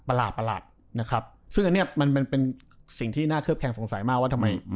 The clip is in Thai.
ประหลาดนะครับซึ่งอันนี้มันเป็นสิ่งที่น่าเคลือบแคงสงสัยมากว่าทำไม